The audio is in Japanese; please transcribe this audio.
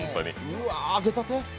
うわ、揚げたて。